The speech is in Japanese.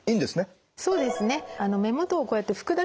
そうですね。